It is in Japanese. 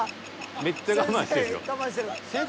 ［めっちゃ我慢してるよ］